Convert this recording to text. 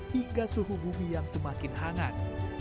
hingga suhu bumi yang semakin hangat